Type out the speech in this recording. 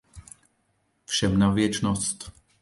Všem na věčnost.